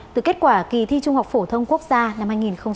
từ kết quả kỳ thi trung học phổ thông quốc gia năm hai nghìn hai mươi